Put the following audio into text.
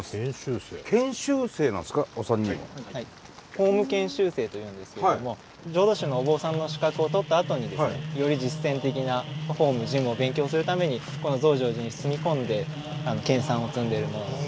法務研修生と言うんですけれども浄土宗のお坊さんの資格を取ったあとにですねより実践的な法務事務を勉強するためにこの増上寺に住み込んで研さんを積んでいる者です。